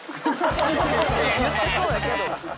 言ってそうやけど。